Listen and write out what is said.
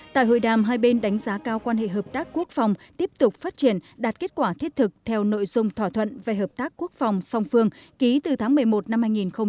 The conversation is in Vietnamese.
tại hội đàm hai bên đánh giá cao quan hệ hợp tác quốc phòng tiếp tục phát triển đạt kết quả thiết thực theo nội dung thỏa thuận về hợp tác quốc phòng song phương ký từ tháng một mươi một năm hai nghìn một mươi năm